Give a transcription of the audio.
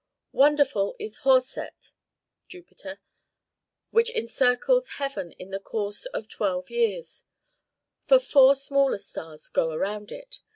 "Wonderful is Hor set, which encircles heaven in the course of twelve years; for four smaller stars go around it.